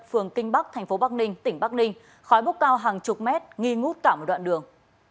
phường kinh bắc thành phố bắc ninh tỉnh bắc ninh khói bốc cao hàng chục mét nghi ngút cả một đoạn đường